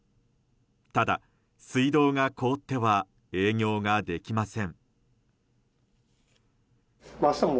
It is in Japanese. ただ、水道が凍っては営業ができません。